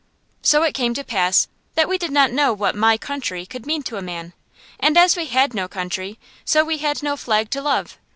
So it came to pass that we did not know what my country could mean to a man. And as we had no country, so we had no flag to love.